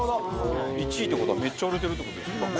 １位って事はめっちゃ売れてるって事ですからね。